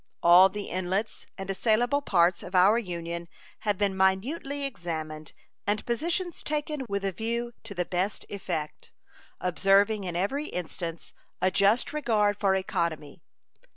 All the inlets and assailable parts of our Union have been minutely examined, and positions taken with a view to the best effect, observing in every instance a just regard for economy.